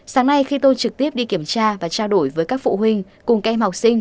sáng nay khi tôi trực tiếp đi kiểm tra và trao đổi với các phụ huynh cùng các em học sinh